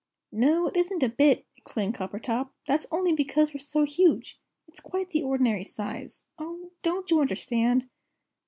"No, it isn't a bit," exclaimed Coppertop; "that's only because we're so huge. It's quite the ordinary size. Oh, don't you understand?"